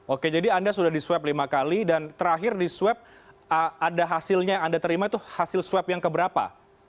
oke jadi anda sudah di swab lima kali dan terakhir di swab ada hasilnya yang anda terima itu hasil swab yang keberapa